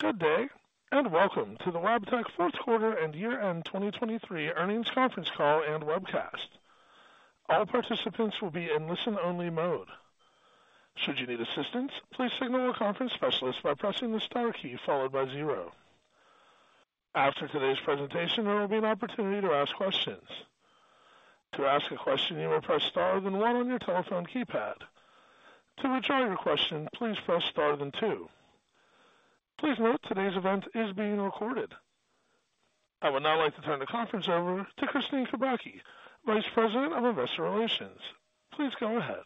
Good day and welcome to the Wabtec Fourth Quarter and Year-End 2023 Earnings Conference Call and Webcast. All participants will be in listen-only mode. Should you need assistance, please signal a conference specialist by pressing the star key followed by zero. After today's presentation, there will be an opportunity to ask questions. To ask a question, you may press star then one on your telephone keypad. To withdraw your question, please press star then two. Please note today's event is being recorded. I would now like to turn the conference over to Kristine Kubacki, Vice President of Investor Relations. Please go ahead,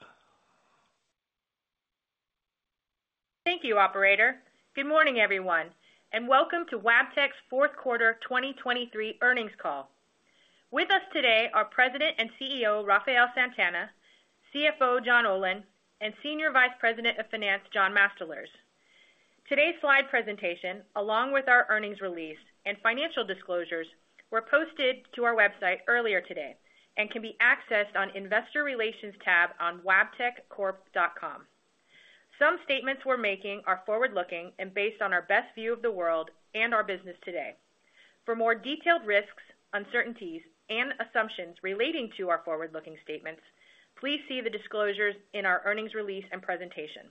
Thank you, operator. Good morning, everyone, and welcome to Wabtec's Fourth Quarter 2023 Earnings Call. With us today are President and CEO Rafael Santana, CFO John Olin, and Senior Vice President of Finance John Mastalerz. Today's slide presentation, along with our earnings release and financial disclosures, were posted to our website earlier today and can be accessed on Investor Relations tab on wabteccorp.com. Some statements we're making are forward-looking and based on our best view of the world and our business today. For more detailed risks, uncertainties, and assumptions relating to our forward-looking statements, please see the disclosures in our earnings release and presentation.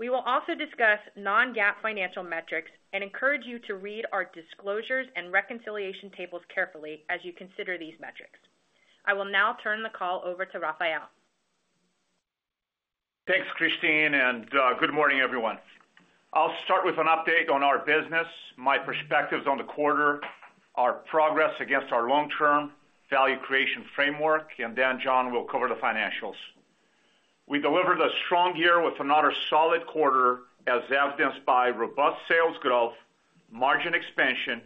We will also discuss non-GAAP financial metrics and encourage you to read our disclosures and reconciliation tables carefully as you consider these metrics. I will now turn the call over to Rafael. Thanks, Kristine, and good morning, everyone. I'll start with an update on our business, my perspectives on the quarter, our progress against our long-term value creation framework, and then John will cover the financials. We delivered a strong year with another solid quarter as evidenced by robust sales growth, margin expansion,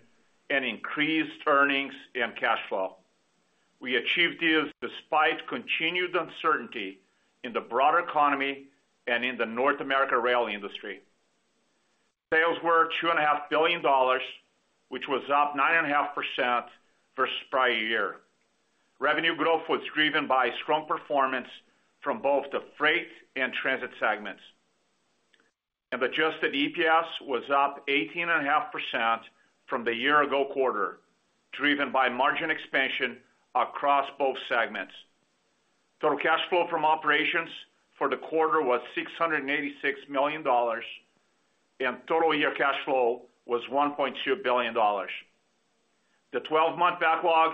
and increased earnings and cash flow. We achieved this despite continued uncertainty in the broader economy and in the North America rail industry. Sales were $2.5 billion, which was up 9.5% versus prior year. Revenue growth was driven by strong performance from both the Freight and Transit segments. The adjusted EPS was up 18.5% from the year-ago quarter, driven by margin expansion across both segments. Total cash flow from operations for the quarter was $686 million, and total year cash flow was $1.2 billion. The 12-month backlog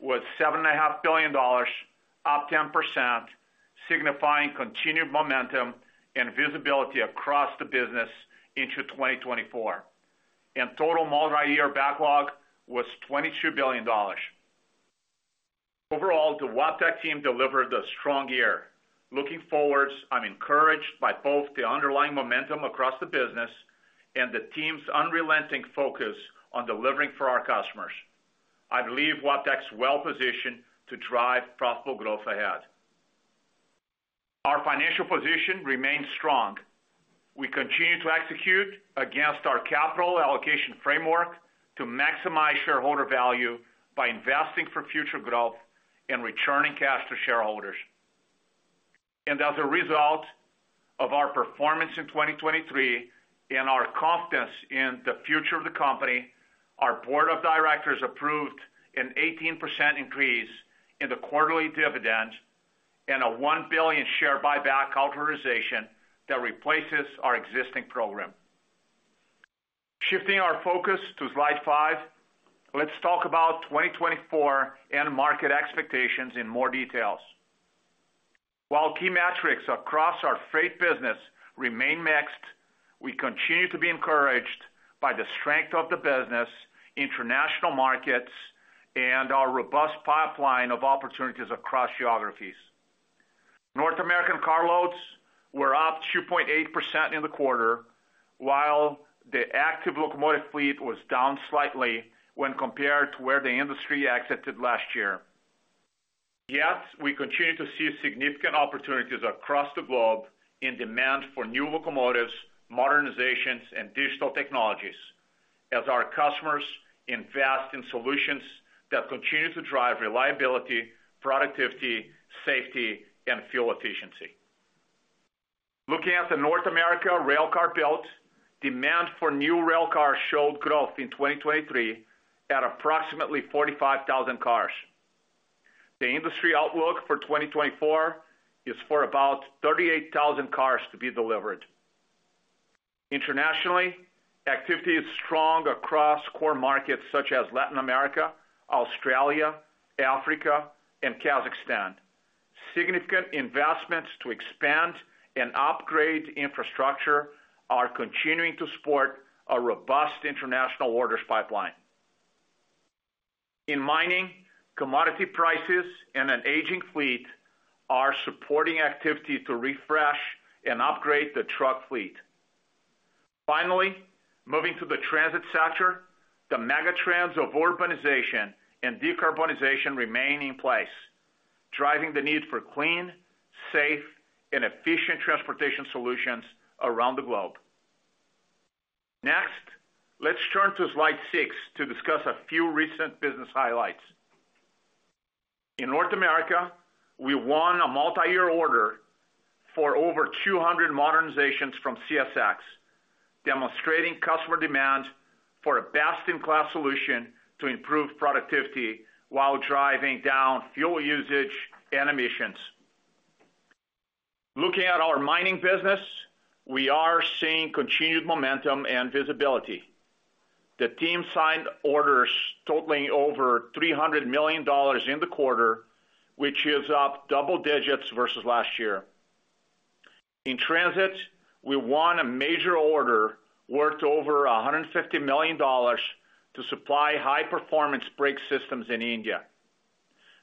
was $7.5 billion, up 10%, signifying continued momentum and visibility across the business into 2024. Total multi-year backlog was $22 billion. Overall, the Wabtec team delivered a strong year. Looking forward, I'm encouraged by both the underlying momentum across the business and the team's unrelenting focus on delivering for our customers. I believe Wabtec is well positioned to drive profitable growth ahead. Our financial position remains strong. We continue to execute against our capital allocation framework to maximize shareholder value by investing for future growth and returning cash to shareholders. As a result of our performance in 2023 and our confidence in the future of the company, our Board of Directors approved an 18% increase in the quarterly dividend and a $1 billion share buyback authorization that replaces our existing program. Shifting our focus to slide five, let's talk about 2024 and market expectations in more detail. While key metrics across our Freight business remain mixed, we continue to be encouraged by the strength of the business, international markets, and our robust pipeline of opportunities across geographies. North American carloads were up 2.8% in the quarter, while the active locomotive fleet was down slightly when compared to where the industry exited last year. Yet, we continue to see significant opportunities across the globe in demand for new locomotives, modernizations, and digital technologies as our customers invest in solutions that continue to drive reliability, productivity, safety, and fuel efficiency. Looking at the North American railcar build, demand for new railcars showed growth in 2023 at approximately 45,000 cars. The industry outlook for 2024 is for about 38,000 cars to be delivered. Internationally, activity is strong across core markets such as Latin America, Australia, Africa, and Kazakhstan. Significant investments to expand and upgrade infrastructure are continuing to support a robust international orders pipeline. In mining, commodity prices and an aging fleet are supporting activity to refresh and upgrade the truck fleet. Finally, moving to the Transit sector, the megatrends of urbanization and decarbonization remain in place, driving the need for clean, safe, and efficient transportation solutions around the globe. Next, let's turn to slide six to discuss a few recent business highlights. In North America, we won a multi-year order for over 200 modernizations from CSX, demonstrating customer demand for a best-in-class solution to improve productivity while driving down fuel usage and emissions. Looking at our mining business, we are seeing continued momentum and visibility. The team signed orders totaling over $300 million in the quarter, which is up double digits versus last year. In Transit, we won a major order worth over $150 million to supply high-performance brake systems in India.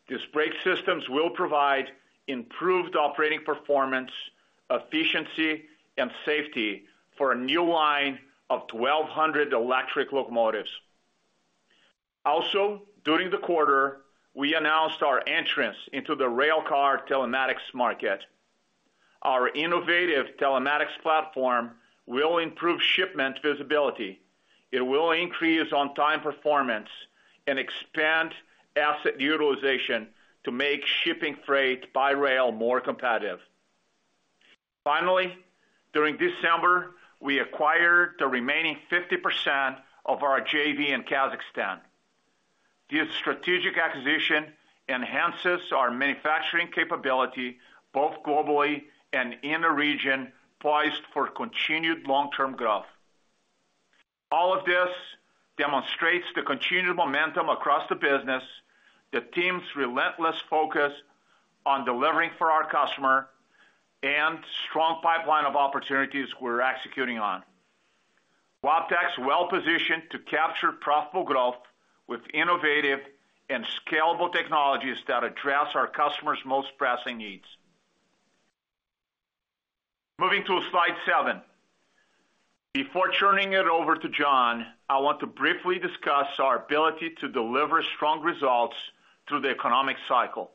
These brake systems will provide improved operating performance, efficiency, and safety for a new line of 1,200 electric locomotives. Also, during the quarter, we announced our entrance into the railcar telematics market. Our innovative telematics platform will improve shipment visibility. It will increase on-time performance and expand asset utilization to make shipping freight by rail more competitive. Finally, during December, we acquired the remaining 50% of our JV in Kazakhstan. This strategic acquisition enhances our manufacturing capability both globally and in the region, poised for continued long-term growth. All of this demonstrates the continued momentum across the business, the team's relentless focus on delivering for our customer, and strong pipeline of opportunities we're executing on. Wabtec is well positioned to capture profitable growth with innovative and scalable technologies that address our customers' most pressing needs. Moving to slide seven. Before turning it over to John, I want to briefly discuss our ability to deliver strong results through the economic cycle.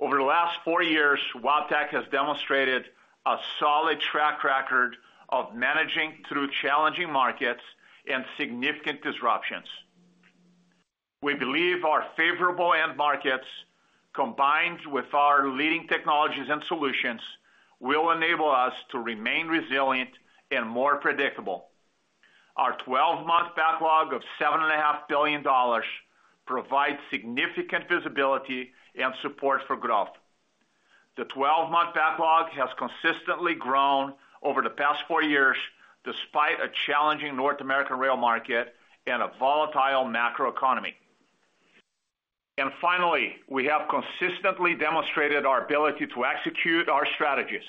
Over the last four years, Wabtec has demonstrated a solid track record of managing through challenging markets and significant disruptions. We believe our favorable end markets, combined with our leading technologies and solutions, will enable us to remain resilient and more predictable. Our 12-month backlog of $7.5 billion provides significant visibility and support for growth. The 12-month backlog has consistently grown over the past four years despite a challenging North American rail market and a volatile macroeconomy. And finally, we have consistently demonstrated our ability to execute our strategies,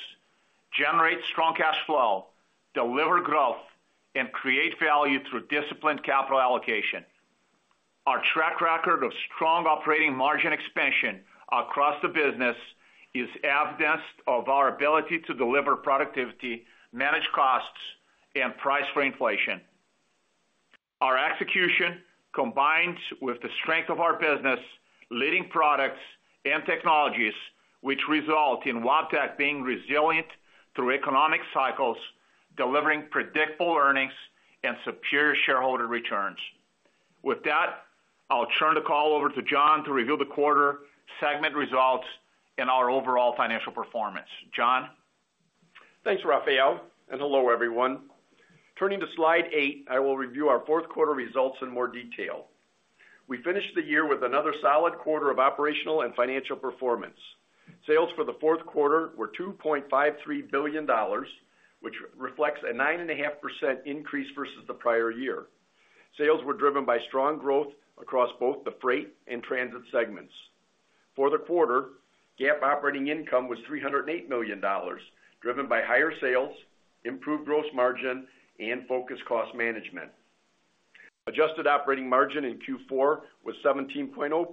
generate strong cash flow, deliver growth, and create value through disciplined capital allocation. Our track record of strong operating margin expansion across the business is evidence of our ability to deliver productivity, manage costs, and price for inflation. Our execution, combined with the strength of our business, leading products, and technologies, which result in Wabtec being resilient through economic cycles, delivering predictable earnings and superior shareholder returns. With that, I'll turn the call over to John to reveal the quarter segment results and our overall financial performance. John? Thanks, Rafael, and hello, everyone. Turning to slide eight, I will review our fourth quarter results in more detail. We finished the year with another solid quarter of operational and financial performance. Sales for the fourth quarter were $2.53 billion, which reflects a 9.5% increase versus the prior year. Sales were driven by strong growth across both the Freight and Transit segments. For the quarter, GAAP operating income was $308 million, driven by higher sales, improved gross margin, and focused cost management. Adjusted operating margin in Q4 was 17.0%,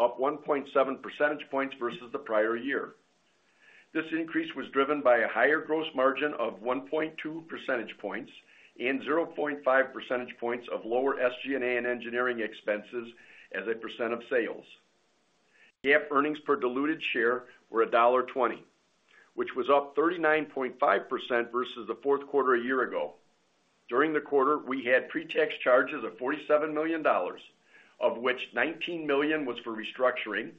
up 1.7 percentage points versus the prior year. This increase was driven by a higher gross margin of 1.2 percentage points and 0.5 percentage points of lower SG&A and engineering expenses as a percent of sales. GAAP earnings per diluted share were $1.20, which was up 39.5% versus the fourth quarter a year ago. During the quarter, we had pre-tax charges of $47 million, of which $19 million was for restructuring,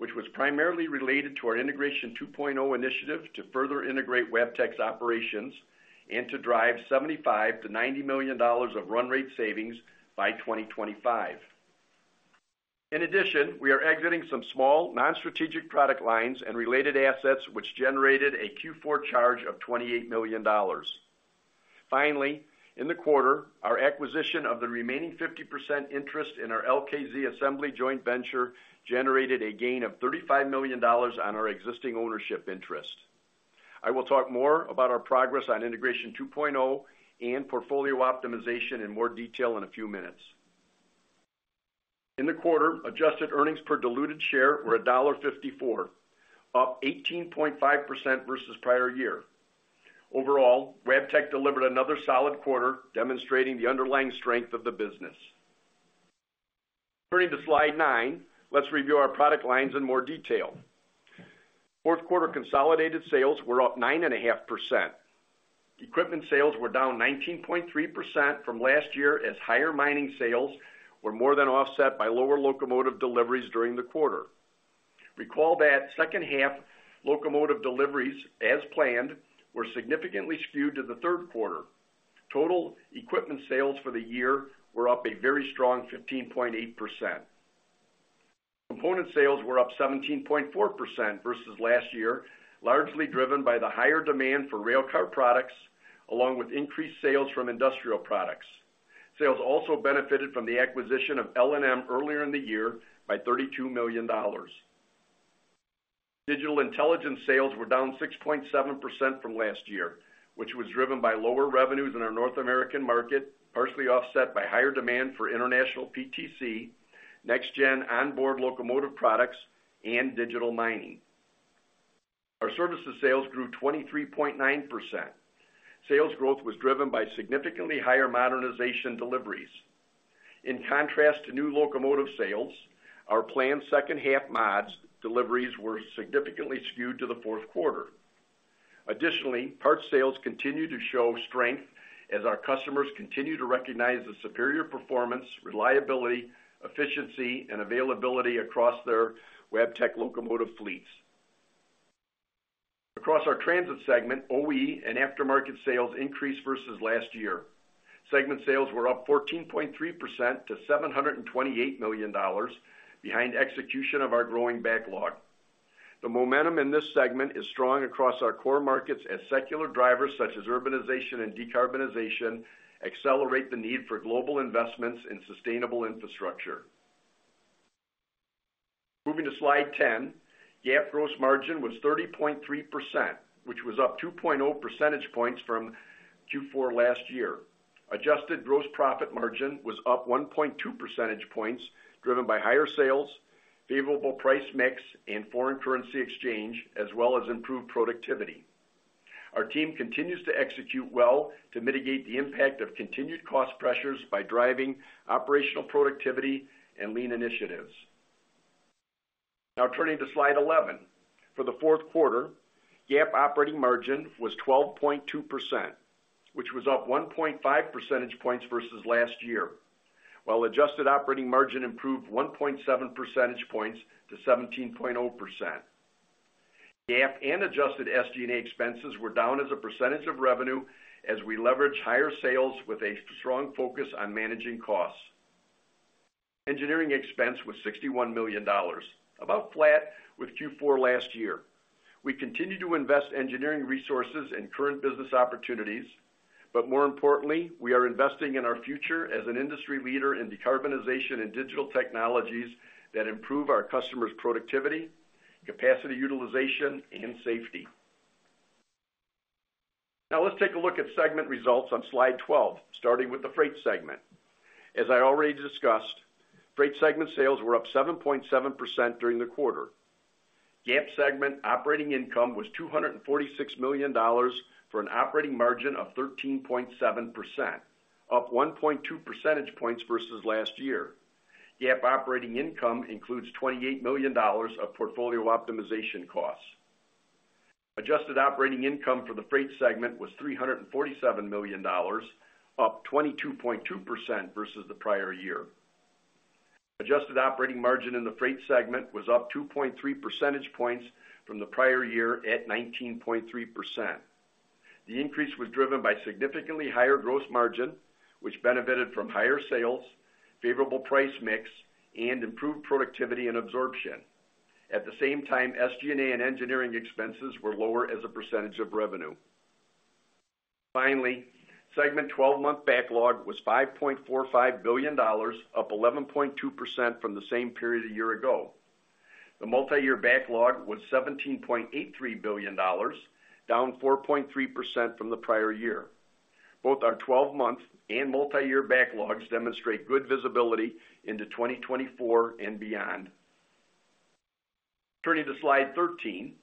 which was primarily related to our Integration 2.0 initiative to further integrate Wabtec's operations and to drive $75 million-$90 million of run rate savings by 2025. In addition, we are exiting some small, non-strategic product lines and related assets, which generated a Q4 charge of $28 million. Finally, in the quarter, our acquisition of the remaining 50% interest in our LKZ Assembly joint venture generated a gain of $35 million on our existing ownership interest. I will talk more about our progress on Integration 2.0 and portfolio optimization in more detail in a few minutes. In the quarter, adjusted earnings per diluted share were $1.54, up 18.5% versus prior year. Overall, Wabtec delivered another solid quarter, demonstrating the underlying strength of the business. Turning to slide nine, let's review our product lines in more detail. Fourth quarter consolidated sales were up 9.5%. Equipment sales were down 19.3% from last year as higher mining sales were more than offset by lower locomotive deliveries during the quarter. Recall that second-half locomotive deliveries, as planned, were significantly skewed to the third quarter. Total equipment sales for the year were up a very strong 15.8%. Component sales were up 17.4% versus last year, largely driven by the higher demand for railcar products along with increased sales from industrial products. Sales also benefited from the acquisition of L&M earlier in the year by $32 million. Digital intelligence sales were down 6.7% from last year, which was driven by lower revenues in our North American market, partially offset by higher demand for international PTC, next-gen onboard locomotive products, and digital mining. Our services sales grew 23.9%. Sales growth was driven by significantly higher modernization deliveries. In contrast to new locomotive sales, our planned second-half mods deliveries were significantly skewed to the fourth quarter. Additionally, parts sales continue to show strength as our customers continue to recognize the superior performance, reliability, efficiency, and availability across their Wabtec locomotive fleets. Across our Transit segment, OE and aftermarket sales increased versus last year. Segment sales were up 14.3% to $728 million, behind execution of our growing backlog. The momentum in this segment is strong across our core markets as secular drivers such as urbanization and decarbonization accelerate the need for global investments in sustainable infrastructure. Moving to slide 10, GAAP gross margin was 30.3%, which was up 2.0 percentage points from Q4 last year. Adjusted gross profit margin was up 1.2 percentage points, driven by higher sales, favorable price/mix, and foreign currency exchange, as well as improved productivity. Our team continues to execute well to mitigate the impact of continued cost pressures by driving operational productivity and lean initiatives. Now turning to slide 11. For the fourth quarter, GAAP operating margin was 12.2%, which was up 1.5 percentage points versus last year, while adjusted operating margin improved 1.7 percentage points to 17.0%. GAAP and adjusted SG&A expenses were down as a percentage of revenue as we leveraged higher sales with a strong focus on managing costs. Engineering expense was $61 million, about flat with Q4 last year. We continue to invest engineering resources in current business opportunities, but more importantly, we are investing in our future as an industry leader in decarbonization and digital technologies that improve our customers' productivity, capacity utilization, and safety. Now let's take a look at segment results on slide 12, starting with the Freight segment. As I already discussed, Freight segment sales were up 7.7% during the quarter. GAAP segment operating income was $246 million for an operating margin of 13.7%, up 1.2 percentage points versus last year. GAAP operating income includes $28 million of portfolio optimization costs. Adjusted operating income for the Freight segment was $347 million, up 22.2% versus the prior year. Adjusted operating margin in the Freight segment was up 2.3 percentage points from the prior year at 19.3%. The increase was driven by significantly higher gross margin, which benefited from higher sales, favorable price/mix, and improved productivity and absorption. At the same time, SG&A and engineering expenses were lower as a percentage of revenue. Finally, segment 12-month backlog was $5.45 billion, up 11.2% from the same period a year ago. The multi-year backlog was $17.83 billion, down 4.3% from the prior year. Both our 12-month and multi-year backlogs demonstrate good visibility into 2024 and beyond. Turning to slide 13,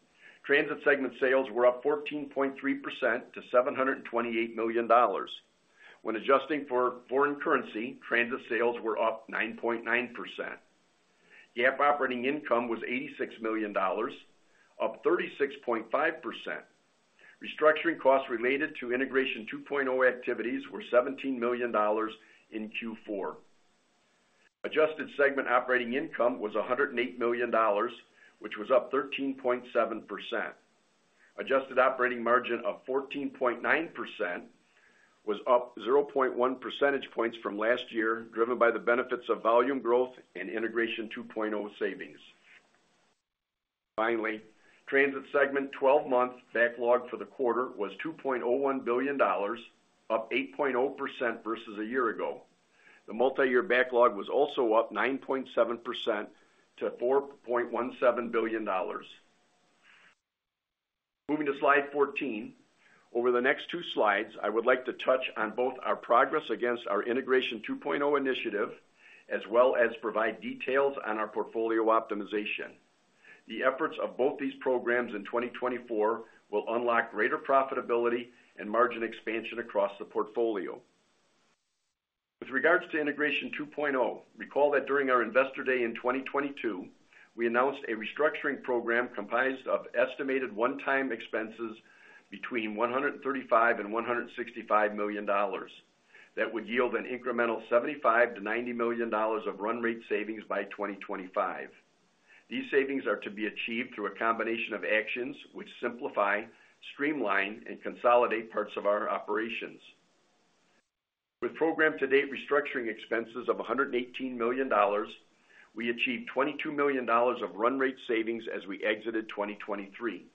Transit segment sales were up 14.3% to $728 million. When adjusting for foreign currency, Transit sales were up 9.9%. GAAP operating income was $86 million, up 36.5%. Restructuring costs related to Integration 2.0 activities were $17 million in Q4. Adjusted segment operating income was $108 million, which was up 13.7%. Adjusted operating margin of 14.9% was up 0.1 percentage points from last year, driven by the benefits of volume growth and Integration 2.0 savings. Finally, Transit segment 12-month backlog for the quarter was $2.01 billion, up 8.0% versus a year ago. The multi-year backlog was also up 9.7% to $4.17 billion. Moving to slide 14. Over the next two slides, I would like to touch on both our progress against our Integration 2.0 initiative as well as provide details on our portfolio optimization. The efforts of both these programs in 2024 will unlock greater profitability and margin expansion across the portfolio. With regards to Integration 2.0, recall that during our investor day in 2022, we announced a restructuring program comprised of estimated one-time expenses between $135 million-$165 million that would yield an incremental $75 million-$90 million of run rate savings by 2025. These savings are to be achieved through a combination of actions which simplify, streamline, and consolidate parts of our operations. With program-to-date restructuring expenses of $118 million, we achieved $22 million of run rate savings as we exited 2023.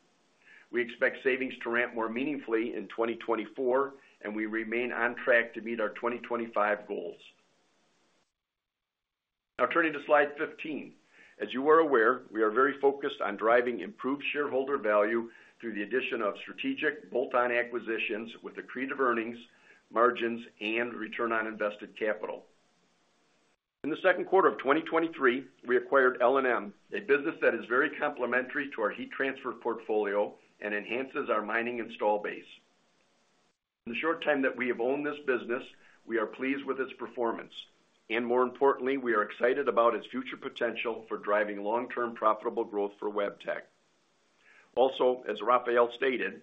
We expect savings to ramp more meaningfully in 2024, and we remain on track to meet our 2025 goals. Now turning to slide 15. As you are aware, we are very focused on driving improved shareholder value through the addition of strategic bolt-on acquisitions with accretive earnings, margins, and return on invested capital. In the second quarter of 2023, we acquired L&M, a business that is very complementary to our heat transfer portfolio and enhances our mining install base. In the short time that we have owned this business, we are pleased with its performance. More importantly, we are excited about its future potential for driving long-term profitable growth for Wabtec. Also, as Rafael stated,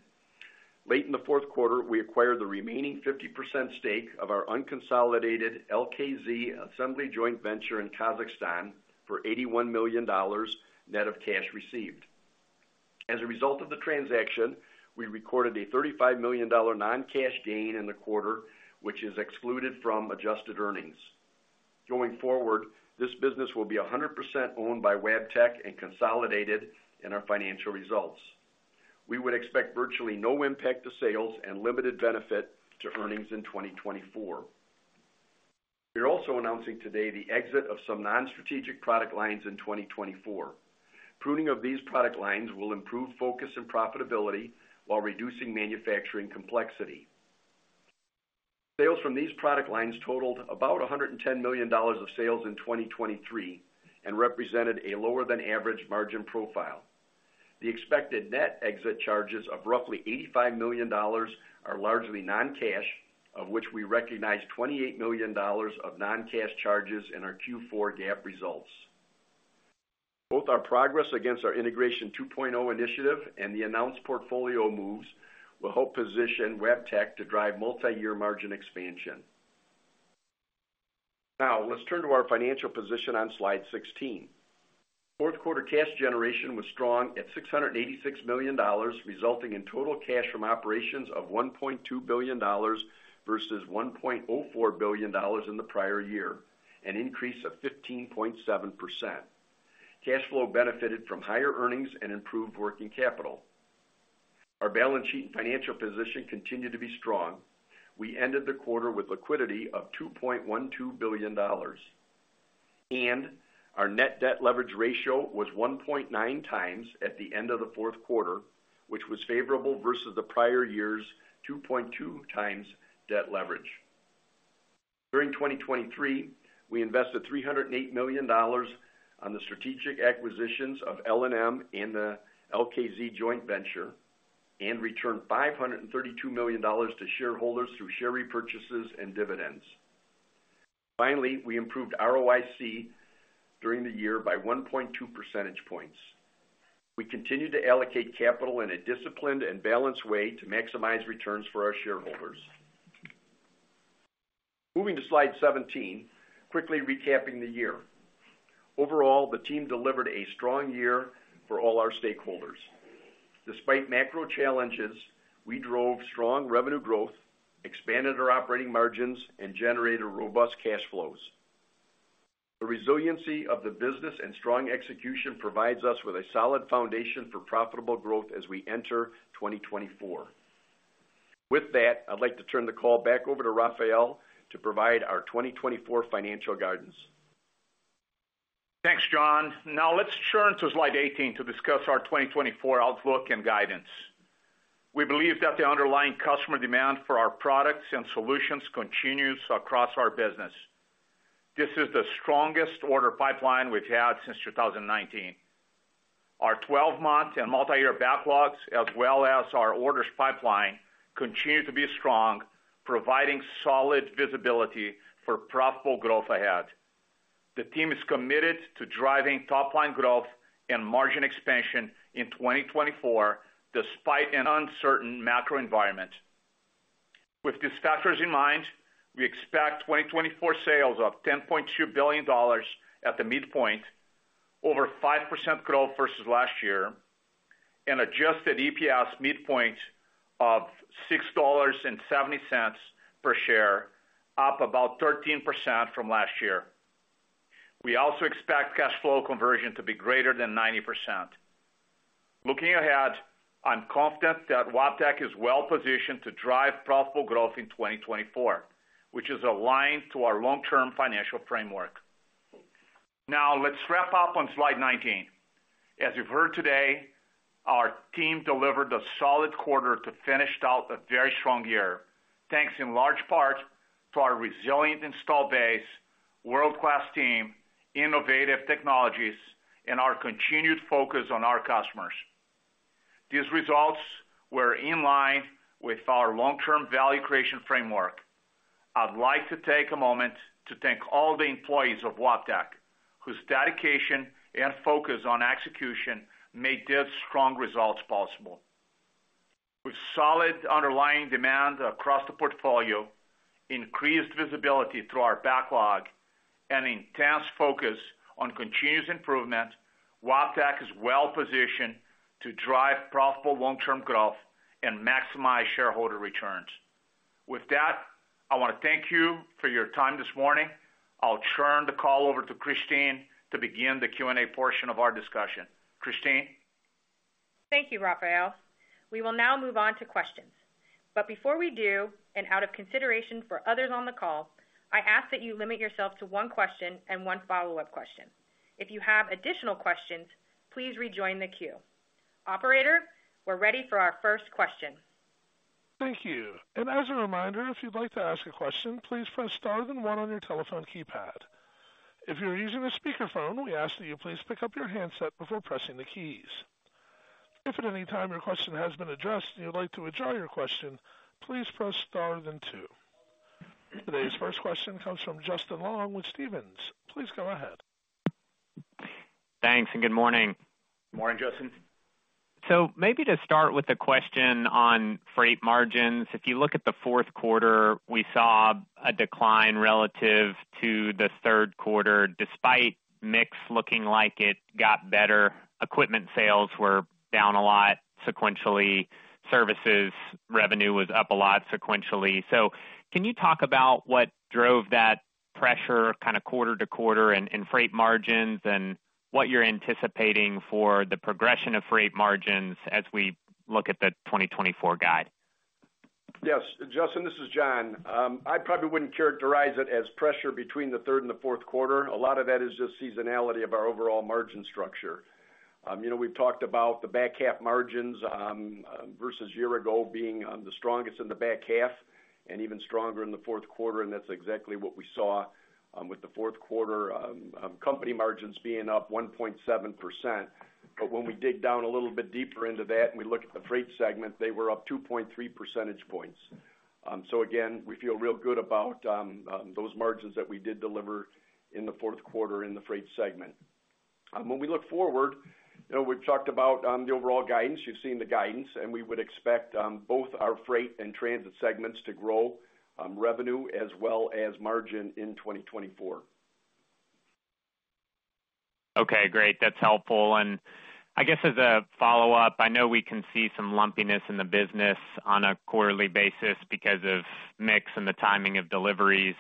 late in the fourth quarter, we acquired the remaining 50% stake of our unconsolidated LKZ Assembly joint venture in Kazakhstan for $81 million net of cash received. As a result of the transaction, we recorded a $35 million non-cash gain in the quarter, which is excluded from adjusted earnings. Going forward, this business will be 100% owned by Wabtec and consolidated in our financial results. We would expect virtually no impact to sales and limited benefit to earnings in 2024. We are also announcing today the exit of some non-strategic product lines in 2024. Pruning of these product lines will improve focus and profitability while reducing manufacturing complexity. Sales from these product lines totaled about $110 million of sales in 2023 and represented a lower-than-average margin profile. The expected net exit charges of roughly $85 million are largely non-cash, of which we recognize $28 million of non-cash charges in our Q4 GAAP results. Both our progress against our Integration 2.0 initiative and the announced portfolio moves will help position Wabtec to drive multi-year margin expansion. Now let's turn to our financial position on slide 16. Fourth quarter cash generation was strong at $686 million, resulting in total cash from operations of $1.2 billion versus $1.04 billion in the prior year, an increase of 15.7%. Cash flow benefited from higher earnings and improved working capital. Our balance sheet and financial position continue to be strong. We ended the quarter with liquidity of $2.12 billion. Our net debt leverage ratio was 1.9x at the end of the fourth quarter, which was favorable versus the prior year's 2.2x debt leverage. During 2023, we invested $308 million on the strategic acquisitions of L&M and the LKZ joint venture and returned $532 million to shareholders through share repurchases and dividends. Finally, we improved ROIC during the year by 1.2 percentage points. We continue to allocate capital in a disciplined and balanced way to maximize returns for our shareholders. Moving to slide 17, quickly recapping the year. Overall, the team delivered a strong year for all our stakeholders. Despite macro challenges, we drove strong revenue growth, expanded our operating margins, and generated robust cash flows. The resiliency of the business and strong execution provides us with a solid foundation for profitable growth as we enter 2024. With that, I'd like to turn the call back over to Rafael to provide our 2024 financial guidance. Thanks, John. Now let's turn to slide 18 to discuss our 2024 outlook and guidance. We believe that the underlying customer demand for our products and solutions continues across our business. This is the strongest order pipeline we've had since 2019. Our 12-month and multi-year backlogs, as well as our orders pipeline, continue to be strong, providing solid visibility for profitable growth ahead. The team is committed to driving top-line growth and margin expansion in 2024 despite an uncertain macro environment. With these factors in mind, we expect 2024 sales of $10.2 billion at the midpoint, over 5% growth versus last year, and adjusted EPS midpoint of $6.70 per share, up about 13% from last year. We also expect cash flow conversion to be greater than 90%. Looking ahead, I'm confident that Wabtec is well positioned to drive profitable growth in 2024, which is aligned to our long-term financial framework. Now let's wrap up on slide 19. As you've heard today, our team delivered a solid quarter to finish out a very strong year, thanks in large part to our resilient install base, world-class team, innovative technologies, and our continued focus on our customers. These results were in line with our long-term value creation framework. I'd like to take a moment to thank all the employees of Wabtec, whose dedication and focus on execution made this strong results possible. With solid underlying demand across the portfolio, increased visibility through our backlog, and intense focus on continuous improvement, Wabtec is well positioned to drive profitable long-term growth and maximize shareholder returns. With that, I want to thank you for your time this morning. I'll turn the call over to Kristine to begin the Q&A portion of our discussion. Kristine? Thank you, Rafael. We will now move on to questions. But before we do, and out of consideration for others on the call, I ask that you limit yourself to one question and one follow-up question. If you have additional questions, please rejoin the queue. Operator, we're ready for our first question. Thank you. And as a reminder, if you'd like to ask a question, please press star, then one on your telephone keypad. If you're using a speakerphone, we ask that you please pick up your handset before pressing the keys. If at any time your question has been addressed and you'd like to withdraw your question, please press star then two. Today's first question comes from Justin Long with Stephens. Please go ahead. Thanks and good morning. Good morning, Justin. So maybe to start with the question on Freight margins, if you look at the fourth quarter, we saw a decline relative to the third quarter despite mix looking like it got better. Equipment sales were down a lot sequentially. Services revenue was up a lot sequentially. So can you talk about what drove that pressure kind of quarter to quarter in Freight margins and what you're anticipating for the progression of Freight margins as we look at the 2024 guide? Yes. Justin, this is John. I probably wouldn't characterize it as pressure between the third and the fourth quarter. A lot of that is just seasonality of our overall margin structure. We've talked about the back half margins versus a year ago being the strongest in the back half and even stronger in the fourth quarter. And that's exactly what we saw with the fourth quarter, company margins being up 1.7%. But when we dig down a little bit deeper into that and we look at the Freight segment, they were up 2.3 percentage points. So again, we feel real good about those margins that we did deliver in the fourth quarter in the Freight segment. When we look forward, we've talked about the overall guidance. You've seen the guidance. And we would expect both our Freight and Transit segments to grow revenue as well as margin in 2024. Okay. Great. That's helpful. And I guess as a follow-up, I know we can see some lumpiness in the business on a quarterly basis because of mix and the timing of deliveries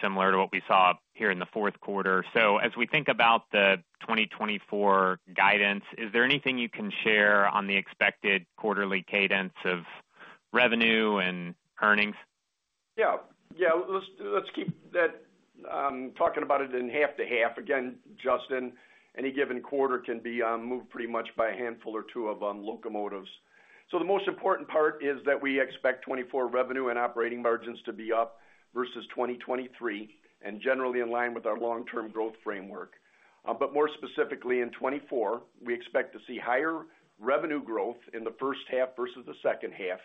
similar to what we saw here in the fourth quarter. So as we think about the 2024 guidance, is there anything you can share on the expected quarterly cadence of revenue and earnings? Yeah. Yeah. Let's keep that talking about it in half to half. Again, Justin, any given quarter can be moved pretty much by a handful or two of locomotives. So the most important part is that we expect 2024 revenue and operating margins to be up versus 2023 and generally in line with our long-term growth framework. But more specifically in 2024, we expect to see higher revenue growth in the first half versus the second half.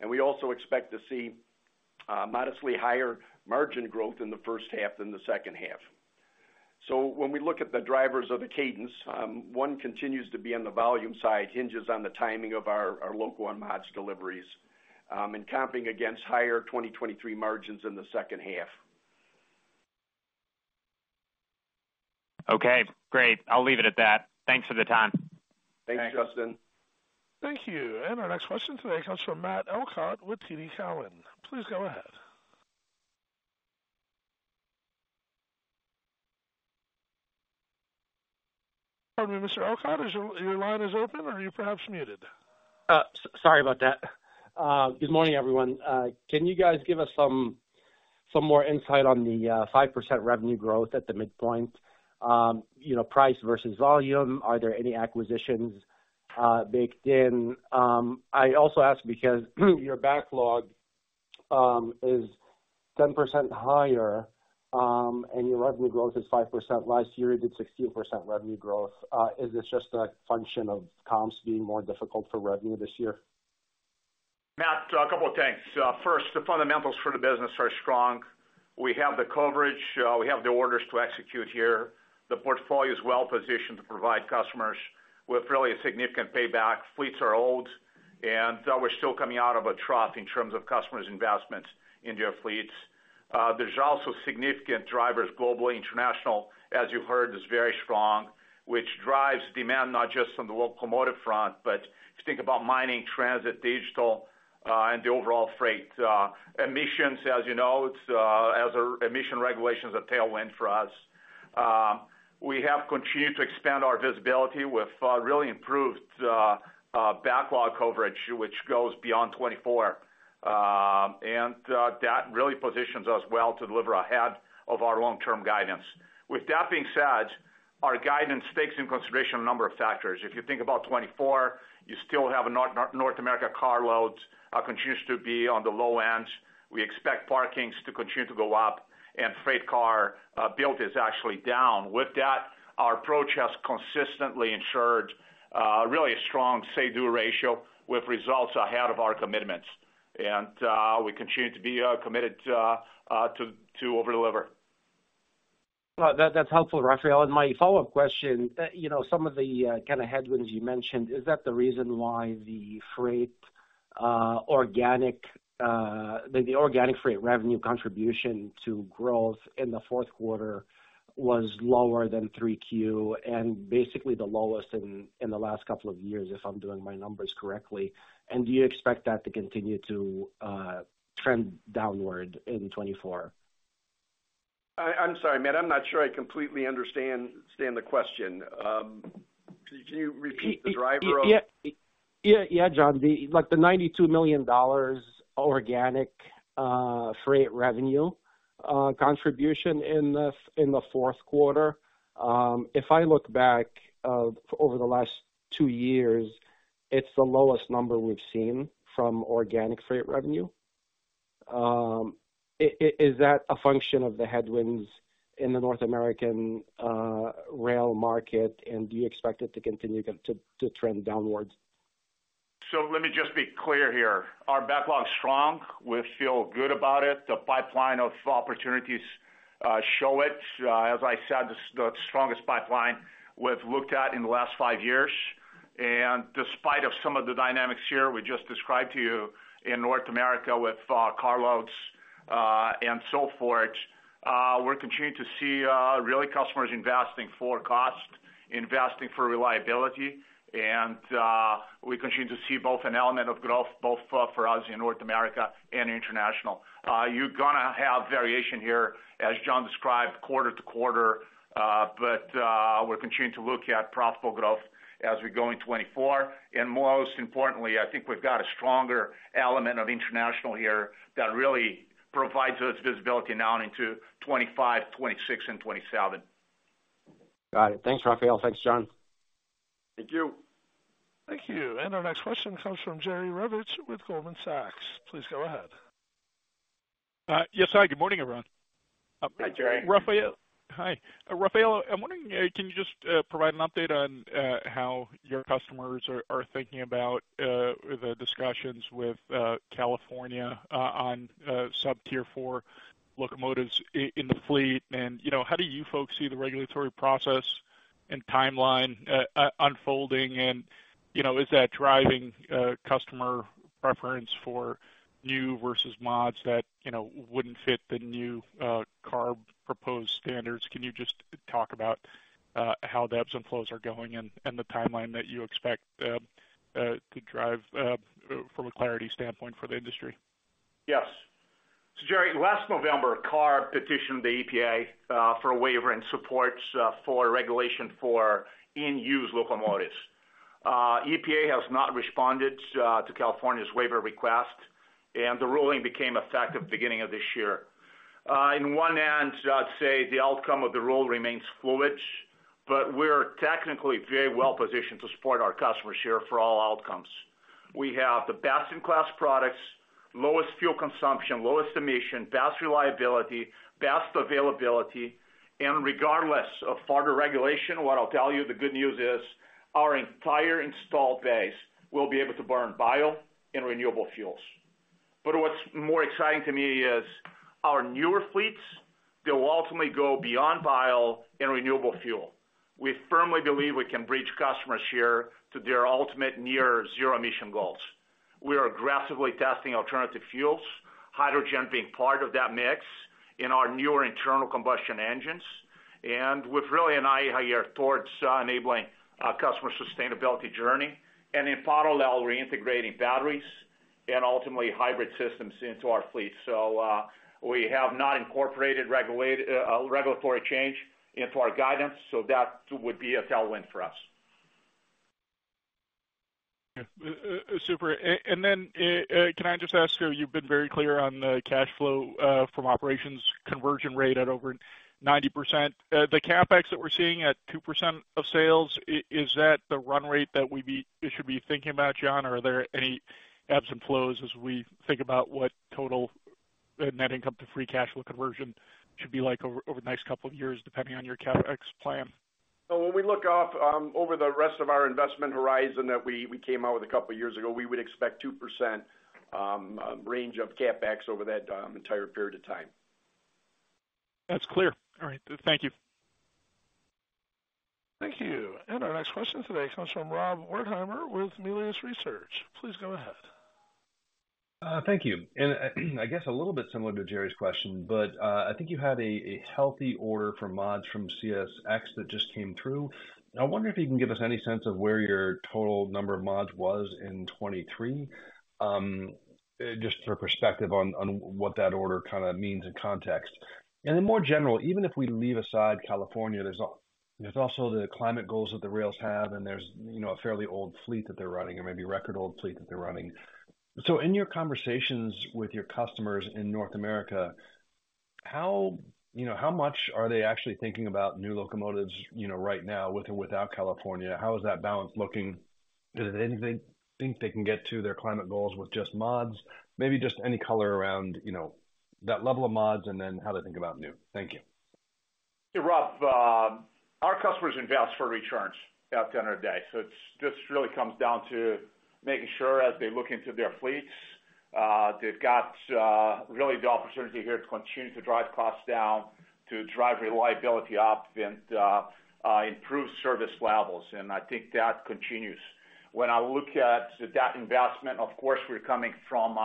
And we also expect to see modestly higher margin growth in the first half than the second half. So when we look at the drivers of the cadence, one continues to be on the volume side, hinges on the timing of our loco and mods deliveries and comping against higher 2023 margins in the second half. Okay. Great. I'll leave it at that. Thanks for the time. Thanks, Justin. Thank you. And our next question today comes from Matt Elkott with TD Cowen. Please go ahead. Pardon me, Mr. Elkott, your line is open or are you perhaps muted? Sorry about that. Good morning, everyone. Can you guys give us some more insight on the 5% revenue growth at the midpoint, price versus volume? Are there any acquisitions baked in? I also ask because your backlog is 10% higher and your revenue growth is 5%. Last year, you did 16% revenue growth. Is this just a function of comps being more difficult for revenue this year? Matt, a couple of things. First, the fundamentals for the business are strong. We have the coverage. We have the orders to execute here. The portfolio is well positioned to provide customers with really a significant payback. Fleets are old. And we're still coming out of a trough in terms of customers' investments into our fleets. There's also significant drivers globally. International, as you heard, is very strong, which drives demand not just on the locomotive front, but if you think about mining, transit, digital, and the overall freight. Emissions, as you know, as are emission regulations, a tailwind for us. We have continued to expand our visibility with really improved backlog coverage, which goes beyond 2024. And that really positions us well to deliver ahead of our long-term guidance. With that being said, our guidance takes into consideration a number of factors. If you think about 2024, you still have North America car loads continues to be on the low end. We expect parkings to continue to go up and freight car build is actually down. With that, our approach has consistently ensured really a strong say-do ratio with results ahead of our commitments. And we continue to be committed to overdeliver. That's helpful, Rafael. And my follow-up question, some of the kind of headwinds you mentioned, is that the reason why the Freight organic the organic Freight revenue contribution to growth in the fourth quarter was lower than 3Q and basically the lowest in the last couple of years if I'm doing my numbers correctly? Do you expect that to continue to trend downward in 2024? I'm sorry, Matt. I'm not sure I completely understand the question. Can you repeat the driver of? Yeah. Yeah, John. The $92 million organic Freight revenue contribution in the fourth quarter, if I look back over the last two years, it's the lowest number we've seen from organic Freight revenue. Is that a function of the headwinds in the North American rail market? And do you expect it to continue to trend downwards? So let me just be clear here. Our backlog is strong. We feel good about it. The pipeline of opportunities show it. As I said, the strongest pipeline we've looked at in the last five years. Despite some of the dynamics here we just described to you in North America with car loads and so forth, we're continuing to see really customers investing for cost, investing for reliability. And we continue to see both an element of growth both for us in North America and international. You're going to have variation here, as John described, quarter to quarter. But we're continuing to look at profitable growth as we go in 2024. And most importantly, I think we've got a stronger element of international here that really provides us visibility now into 2025, 2026, and 2027. Got it. Thanks, Rafael. Thanks, John. Thank you. Thank you. And our next question comes from Jerry Revich with Goldman Sachs. Please go ahead. Yes, hi. Good morning, everyone. Hi, Jerry. Rafael. Hi. Rafael, I'm wondering, can you just provide an update on how your customers are thinking about the discussions with California on sub-Tier 4 locomotives in the fleet? And how do you folks see the regulatory process and timeline unfolding? And is that driving customer preference for new versus mods that wouldn't fit the new CARB-proposed standards? Can you just talk about how the ebbs and flows are going and the timeline that you expect to drive from a clarity standpoint for the industry? Yes. So Jerry, last November, CARB petitioned the EPA for a waiver and supports for regulation for in-use locomotives. EPA has not responded to California's waiver request. And the ruling became effective beginning of this year. On one end, I'd say the outcome of the rule remains fluid. But we're technically very well positioned to support our customers here for all outcomes. We have the best-in-class products, lowest fuel consumption, lowest emission, best reliability, best availability. Regardless of further regulation, what I'll tell you, the good news is our entire installed base will be able to burn bio and renewable fuels. What's more exciting to me is our newer fleets, they'll ultimately go beyond bio and renewable fuel. We firmly believe we can bridge customers here to their ultimate near-zero emission goals. We are aggressively testing alternative fuels, hydrogen being part of that mix in our newer internal combustion engines. We've really an eye here towards enabling a customer sustainability journey. In parallel, we're integrating batteries and ultimately hybrid systems into our fleet. We have not incorporated regulatory change into our guidance. That would be a tailwind for us. Super. And then, can I just ask you, you've been very clear on the cash flow from operations conversion rate at over 90%. The CapEx that we're seeing at 2% of sales, is that the run rate that we should be thinking about, John? Or are there any ebbs and flows as we think about what total net income to free cash flow conversion should be like over the next couple of years depending on your CapEx plan? Oh, when we look up over the rest of our investment horizon that we came out with a couple of years ago, we would expect 2% range of CapEx over that entire period of time. That's clear. All right. Thank you. Thank you. Our next question today comes from Rob Wertheimer with Melius Research. Please go ahead. Thank you. I guess a little bit similar to Jerry's question, but I think you had a healthy order for mods from CSX that just came through. I wonder if you can give us any sense of where your total number of mods was in 2023 just for perspective on what that order kind of means in context. In more general, even if we leave aside California, there's also the climate goals that the rails have. There's a fairly old fleet that they're running or maybe record-old fleet that they're running. So in your conversations with your customers in North America, how much are they actually thinking about new locomotives right now with or without California? How is that balance looking? Do they think they can get to their climate goals with just mods? Maybe just any color around that level of mods and then how to think about new. Thank you. Yeah, Rob. Our customers invest for returns at the end of the day. So it just really comes down to making sure as they look into their fleets, they've got really the opportunity here to continue to drive costs down, to drive reliability up, and improve service levels. And I think that continues. When I look at that investment, of course, we're coming from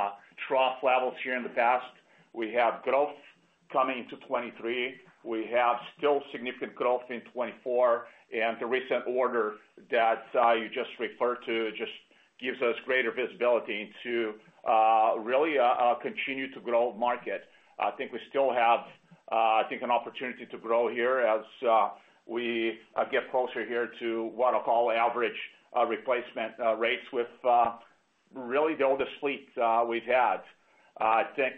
trough levels here in the past. We have growth coming into 2023. We have still significant growth in 2024. And the recent order that you just referred to just gives us greater visibility into really a continued-to-grow market. I think we still have, I think, an opportunity to grow here as we get closer here to what I'll call average replacement rates with really the oldest fleet we've had. I think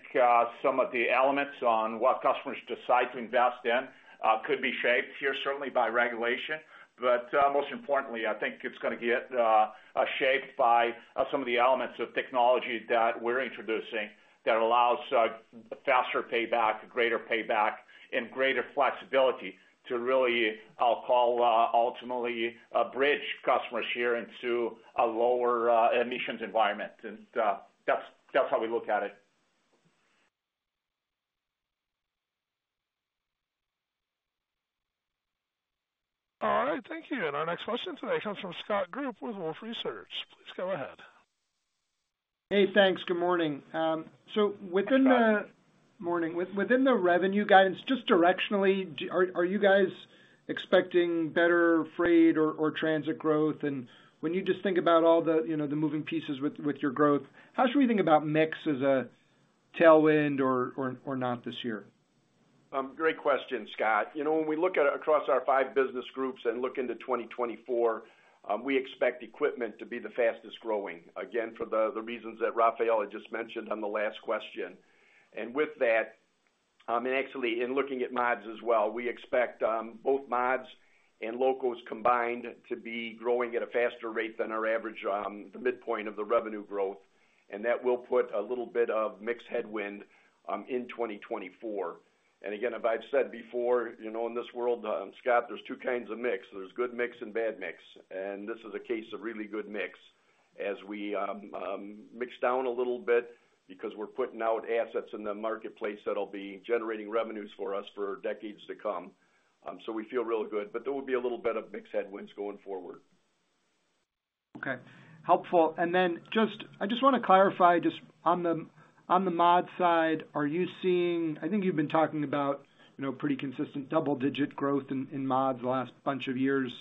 some of the elements on what customers decide to invest in could be shaped here, certainly by regulation. But most importantly, I think it's going to get shaped by some of the elements of technology that we're introducing that allows faster payback, greater payback, and greater flexibility to really, I'll call, ultimately bridge customers here into a lower emissions environment. And that's how we look at it. All right. Thank you. And our next question today comes from Scott Group with Wolfe Research. Please go ahead. Hey, thanks. Good morning. So within the revenue guidance, just directionally, are you guys expecting better Freight or Transit growth? When you just think about all the moving pieces with your growth, how should we think about mix as a tailwind or not this year? Great question, Scott. When we look across our five business groups and look into 2024, we expect equipment to be the fastest growing, again, for the reasons that Rafael had just mentioned on the last question. And with that, and actually in looking at mods as well, we expect both mods and locos combined to be growing at a faster rate than our average, the midpoint of the revenue growth. And that will put a little bit of mix headwind in 2024. And again, as I've said before, in this world, Scott, there's two kinds of mix. There's good mix and bad mix. This is a case of really good mix as we mix down a little bit because we're putting out assets in the marketplace that'll be generating revenues for us for decades to come. So we feel really good. But there will be a little bit of mix headwinds going forward. Okay. Helpful. And then I just want to clarify, just on the mod side, are you seeing I think you've been talking about pretty consistent double-digit growth in mods the last bunch of years.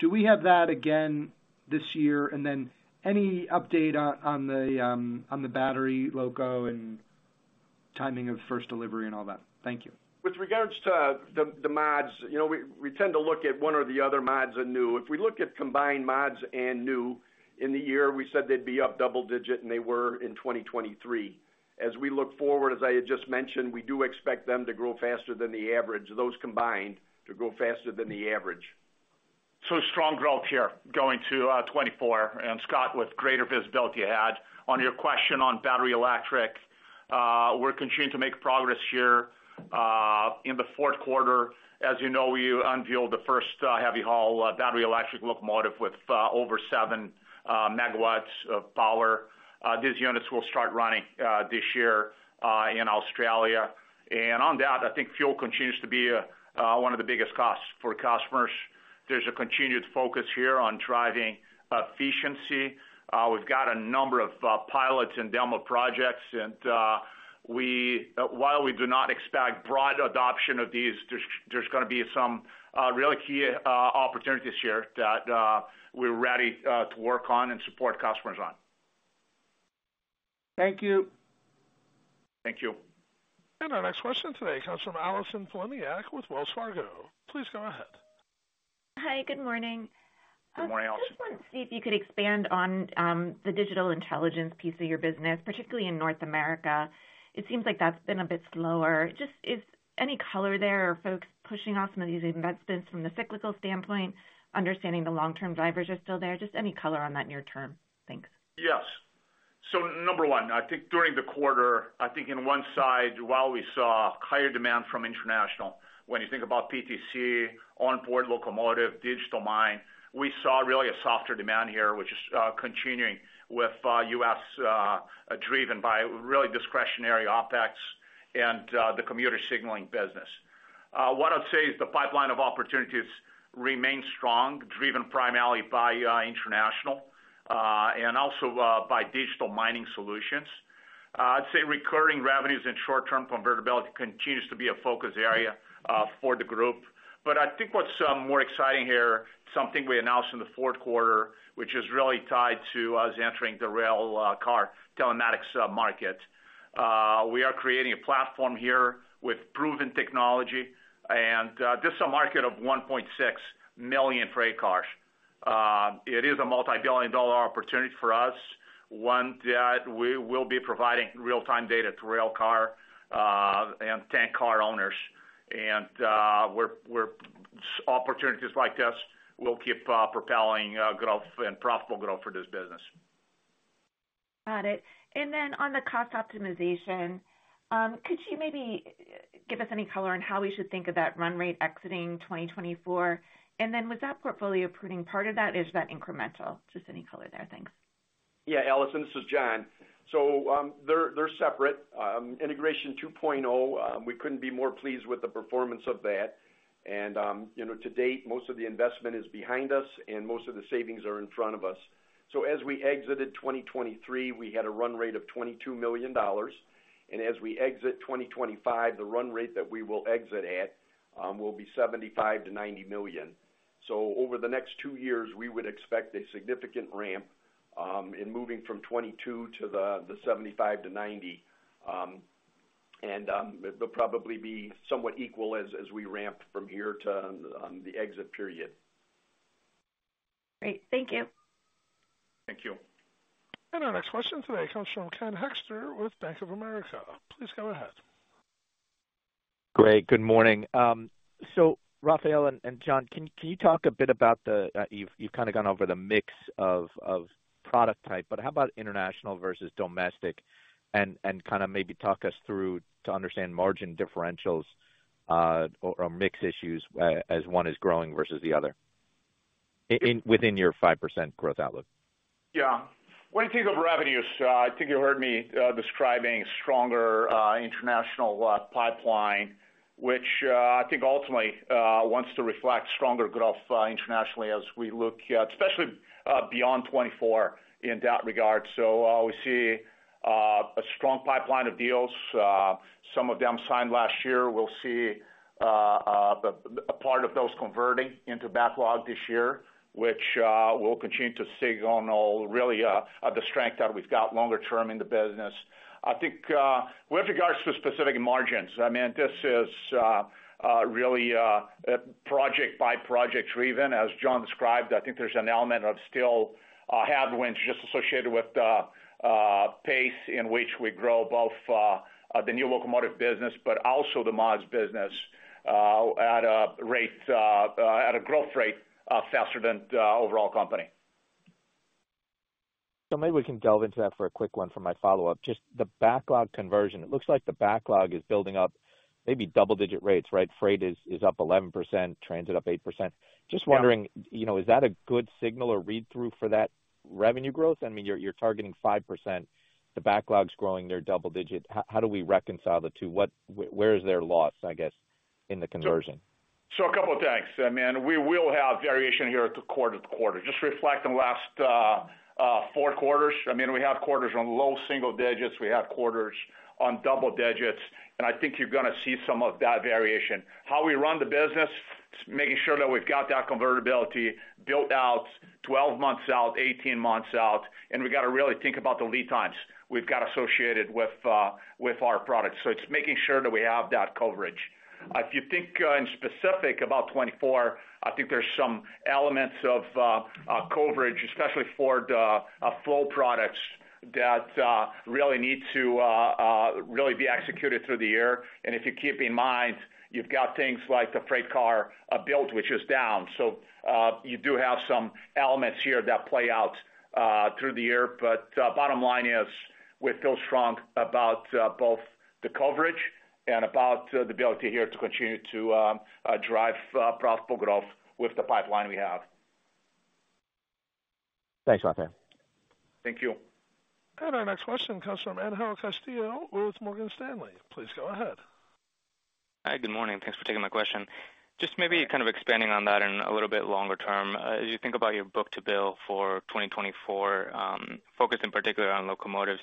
Do we have that again this year? And then any update on the battery loco and timing of first delivery and all that? Thank you. With regards to the mods, we tend to look at one or the other mods and new. If we look at combined mods and new in the year, we said they'd be up double-digit. They were in 2023. As we look forward, as I had just mentioned, we do expect them to grow faster than the average, those combined, to grow faster than the average. So, strong growth here going to 2024. And Scott, with greater visibility ahead. On your question on battery electric, we're continuing to make progress here in the fourth quarter. As you know, we unveiled the first heavy haul battery electric locomotive with over 7 MW of power. These units will start running this year in Australia. And on that, I think fuel continues to be one of the biggest costs for customers. There's a continued focus here on driving efficiency. We've got a number of pilots and demo projects. And while we do not expect broad adoption of these, there's going to be some really key opportunities here that we're ready to work on and support customers on. Thank you. Thank you. Our next question today comes from Allison Poliniak with Wells Fargo. Please go ahead. Hi. Good morning. Good morning, Allison. I just want to see if you could expand on the digital intelligence piece of your business, particularly in North America. It seems like that's been a bit slower. Just is any color there or folks pushing off some of these investments from the cyclical standpoint, understanding the long-term drivers are still there? Just any color on that near-term? Thanks. Yes. So number one, I think during the quarter, I think in one side, while we saw higher demand from international, when you think about PTC, onboard locomotive, digital mine, we saw really a softer demand here which is continuing with U.S.-driven by really discretionary OpEx and the commuter signaling business. What I'd say is the pipeline of opportunities remains strong, driven primarily by international and also by digital mining solutions. I'd say recurring revenues and short-term convertibility continues to be a focus area for the group. But I think what's more exciting here, something we announced in the fourth quarter which is really tied to us entering the rail car telematics market, we are creating a platform here with proven technology. And this is a market of 1.6 million freight cars. It is a multibillion-dollar opportunity for us, one that we will be providing real-time data to rail car and tank car owners. And opportunities like this will keep propelling growth and profitable growth for this business. Got it. And then on the cost optimization, could you maybe give us any color on how we should think of that run rate exiting 2024? And then was that portfolio pruning part of that, or is that incremental? Just any color there. Thanks. Yeah, Allison. This is John. So they're separate. Integration 2.0, we couldn't be more pleased with the performance of that. To date, most of the investment is behind us. Most of the savings are in front of us. So as we exited 2023, we had a run rate of $22 million. As we exit 2025, the run rate that we will exit at will be $75 million-$90 million. So over the next two years, we would expect a significant ramp in moving from $22 million to the $75 million-$90 million. And it'll probably be somewhat equal as we ramp from here to the exit period. Great. Thank you. Thank you. Our next question today comes from Ken Hoexter with Bank of America. Please go ahead. Great. Good morning. So Rafael and John, can you talk a bit about the you've kind of gone over the mix of product type. But how about international versus domestic? And kind of maybe talk us through to understand margin differentials or mix issues as one is growing versus the other within your 5% growth outlook? Yeah. When you think of revenues, I think you heard me describing a stronger international pipeline which I think ultimately wants to reflect stronger growth internationally as we look, especially beyond 2024, in that regard. So we see a strong pipeline of deals. Some of them signed last year. We'll see a part of those converting into backlog this year which will continue to signal really the strength that we've got longer-term in the business. I think with regards to specific margins, I mean, this is really project-by-project driven. As John described, I think there's an element of still headwinds just associated with the pace in which we grow both the new locomotive business but also the mods business at a growth rate faster than the overall company. So maybe we can delve into that for a quick one for my follow-up. Just the backlog conversion, it looks like the backlog is building up maybe double-digit rates, right? Freight is up 11%, Transit up 8%. Just wondering, is that a good signal or read-through for that revenue growth? I mean, you're targeting 5%. The backlog's growing. They're double-digit. How do we reconcile the two? Where is their loss, I guess, in the conversion? So a couple of things. I mean, we will have variation here to quarter to quarter. Just reflecting last four quarters, I mean, we had quarters on low single digits. We had quarters on double digits. I think you're going to see some of that variation. How we run the business, making sure that we've got that convertibility built out 12 months out, 18 months out. And we've got to really think about the lead times we've got associated with our products. So it's making sure that we have that coverage. If you think in specific about 2024, I think there's some elements of coverage, especially for the flow products that really need to really be executed through the year. And if you keep in mind, you've got things like the freight car build which is down. So you do have some elements here that play out through the year. But bottom line is we feel strong about both the coverage and about the ability here to continue to drive profitable growth with the pipeline we have. Thanks, Rafael. Thank you. Our next question comes from Angel Castillo with Morgan Stanley. Please go ahead. Hi. Good morning. Thanks for taking my question. Just maybe kind of expanding on that in a little bit longer term, as you think about your book-to-bill for 2024, focus in particular on locomotives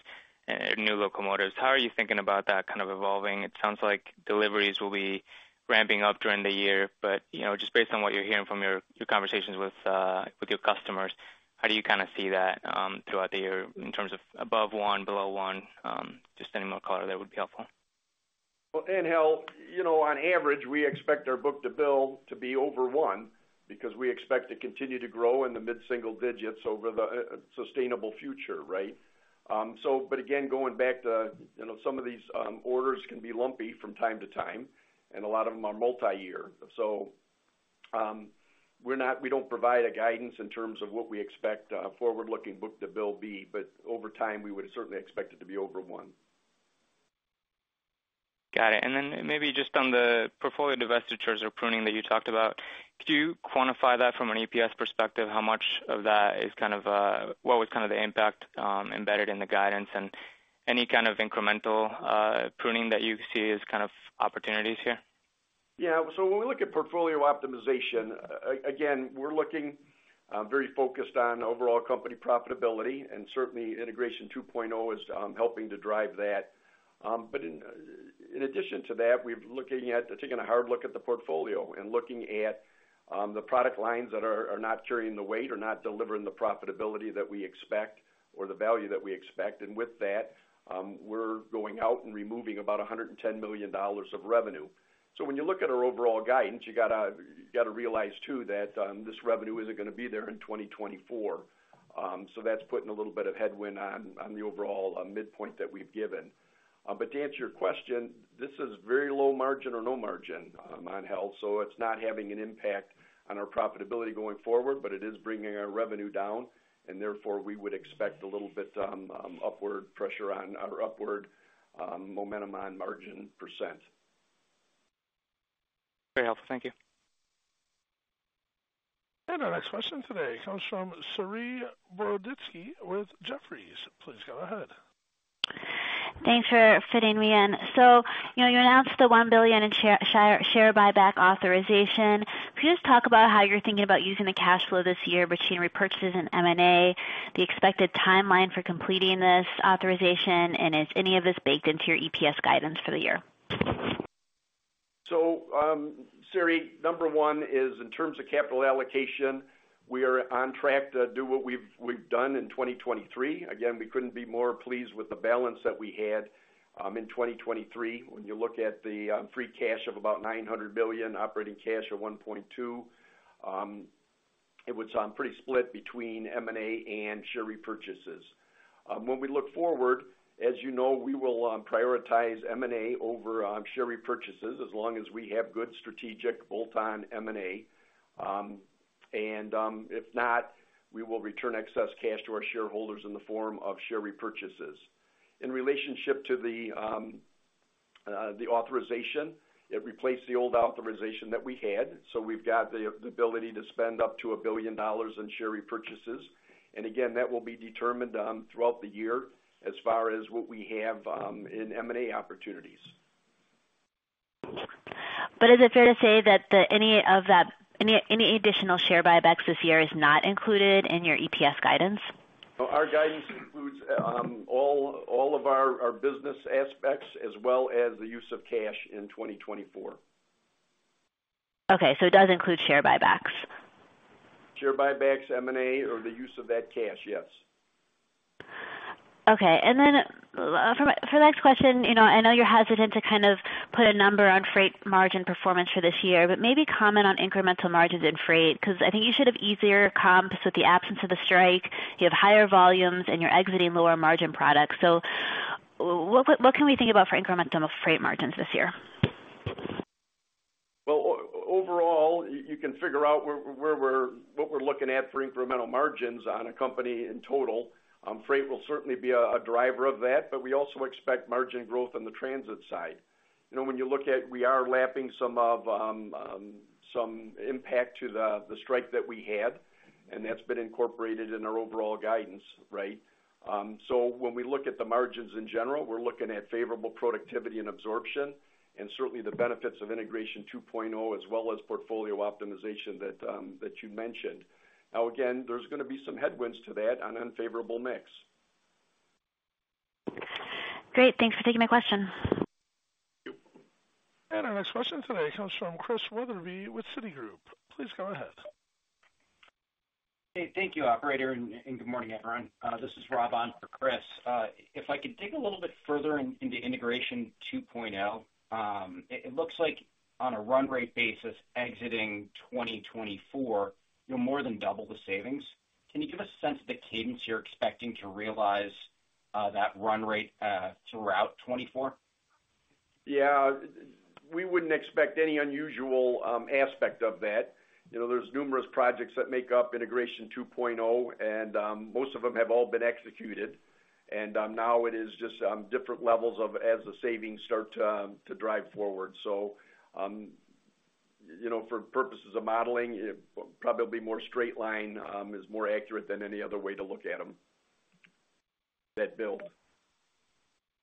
and new locomotives, how are you thinking about that kind of evolving? It sounds like deliveries will be ramping up during the year. But just based on what you're hearing from your conversations with your customers, how do you kind of see that throughout the year in terms of above one, below one? Just any more color there would be helpful. Well, Angel, on average, we expect our book-to-bill to be over one because we expect to continue to grow in the mid-single digits over the sustainable future, right? But again, going back to some of these orders can be lumpy from time to time. And a lot of them are multi-year. So we don't provide a guidance in terms of what we expect forward-looking book-to-bill to be. But over time, we would certainly expect it to be over one. Got it. And then maybe just on the portfolio divestitures or pruning that you talked about, could you quantify that from an EPS perspective? How much of that is kind of what was kind of the impact embedded in the guidance? And any kind of incremental pruning that you see as kind of opportunities here? Yeah. So when we look at portfolio optimization, again, we're looking very focused on overall company profitability. And certainly, Integration 2.0 is helping to drive that. But in addition to that, we're taking a hard look at the portfolio and looking at the product lines that are not carrying the weight or not delivering the profitability that we expect or the value that we expect. And with that, we're going out and removing about $110 million of revenue. So when you look at our overall guidance, you've got to realize too that this revenue isn't going to be there in 2024. So that's putting a little bit of headwind on the overall midpoint that we've given. But to answer your question, this is very low margin or no margin, Angel. So it's not having an impact on our profitability going forward. But it is bringing our revenue down. And therefore, we would expect a little bit upward pressure on our upward momentum on margin percent. Very helpful. Thank you. Our next question today comes from Saree Boroditsky with Jefferies. Please go ahead. Thanks for fitting me in. You announced the $1 billion in share buyback authorization. Could you just talk about how you're thinking about using the cash flow this year between repurchases and M&A, the expected timeline for completing this authorization, and is any of this baked into your EPS guidance for the year? Saree, number one is in terms of capital allocation, we are on track to do what we've done in 2023. Again, we couldn't be more pleased with the balance that we had in 2023. When you look at the free cash of about $900 million, operating cash of $1.2 billion, it was pretty split between M&A and share repurchases. When we look forward, as you know, we will prioritize M&A over share repurchases as long as we have good strategic bolt-on M&A. If not, we will return excess cash to our shareholders in the form of share repurchases. In relationship to the authorization, it replaced the old authorization that we had. So we've got the ability to spend up to $1 billion in share repurchases. And again, that will be determined throughout the year as far as what we have in M&A opportunities. But is it fair to say that any additional share buybacks this year is not included in your EPS guidance? Our guidance includes all of our business aspects as well as the use of cash in 2024. Okay. So it does include share buybacks. Share buybacks, M&A, or the use of that cash. Yes. Okay. And then for the next question, I know you're hesitant to kind of put a number on Freight margin performance for this year. But maybe comment on incremental margins in Freight because I think you should have easier comps with the absence of the strike. You have higher volumes. And you're exiting lower margin products. So what can we think about for incremental Freight margins this year? Well, overall, you can figure out what we're looking at for incremental margins on a company in total. Freight will certainly be a driver of that. But we also expect margin growth on the Transit side. When you look at we are lapping some impact to the strike that we had. And that's been incorporated in our overall guidance, right? So when we look at the margins in general, we're looking at favorable productivity and absorption and certainly the benefits of Integration 2.0 as well as portfolio optimization that you mentioned. Now again, there's going to be some headwinds to that on an unfavorable mix. Great. Thanks for taking my question. Thank you. Our next question today comes from Chris Wetherbee with Citigroup. Please go ahead. Hey. Thank you, operator. Good morning, everyone. This is Rob on for Chris. If I could dig a little bit further into Integration 2.0, it looks like on a run rate basis, exiting 2024, you'll more than double the savings. Can you give us a sense of the cadence you're expecting to realize that run rate throughout 2024? Yeah. We wouldn't expect any unusual aspect of that. There's numerous projects that make up Integration 2.0. Most of them have all been executed. Now it is just different levels of as the savings start to drive forward. For purposes of modeling, probably more straight line is more accurate than any other way to look at them, that build.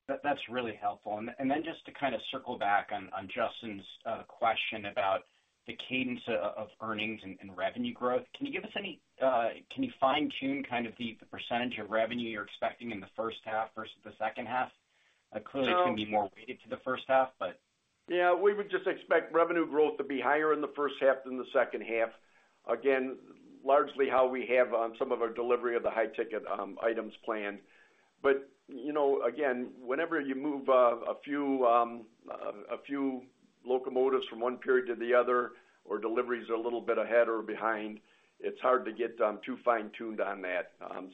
That's really helpful. Then just to kind of circle back on Justin's question about the cadence of earnings and revenue growth, can you fine-tune kind of the percentage of revenue you're expecting in the first half versus the second half? Clearly, it's going to be more weighted to the first half. Yeah. We would just expect revenue growth to be higher in the first half than the second half, again, largely how we have some of our delivery of the high-ticket items planned. But again, whenever you move a few locomotives from one period to the other or deliveries are a little bit ahead or behind, it's hard to get too fine-tuned on that.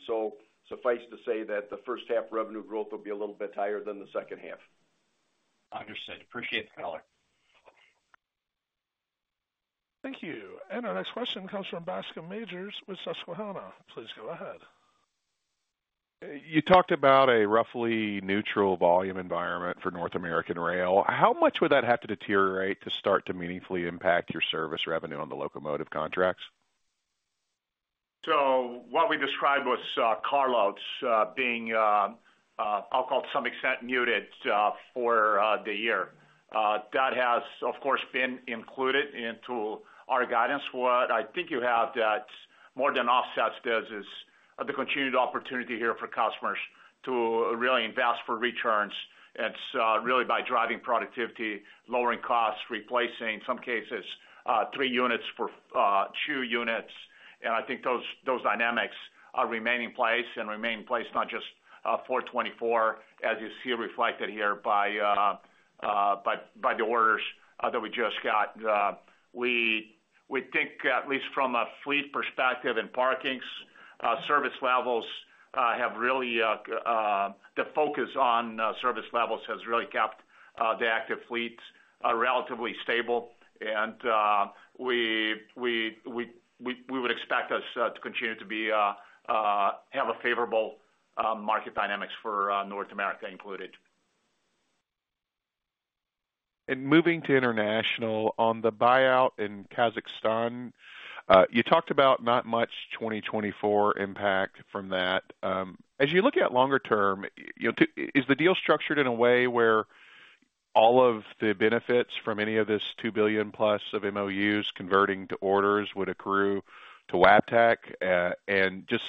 So suffice to say that the first half revenue growth will be a little bit higher than the second half. Understood. Appreciate the color. Thank you. Our next question comes from Bascom Majors with Susquehanna. Please go ahead. You talked about a roughly neutral volume environment for North American rail. How much would that have to deteriorate to start to meaningfully impact your service revenue on the locomotive contracts? What we described was carloads being, I'll call it, to some extent muted for the year. That has, of course, been included into our guidance. What I think you have that more than offsets this is the continued opportunity here for customers to really invest for returns. It's really by driving productivity, lowering costs, replacing, in some cases, three units for two units. And I think those dynamics are remaining in place and remain in place not just for 2024 as you see reflected here by the orders that we just got. We think, at least from a fleet perspective and parkings, service levels have really the focus on service levels has really kept the active fleet relatively stable. We would expect us to continue to have favorable market dynamics for North America included. Moving to international, on the buyout in Kazakhstan, you talked about not much 2024 impact from that. As you look at longer term, is the deal structured in a way where all of the benefits from any of this $2 billion-plus of MOUs converting to orders would accrue to Wabtec? And just